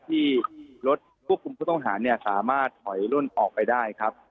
ที่รถควบคุมผู้ต้องหาเนี่ยสามารถถอยล่นออกไปได้ครับ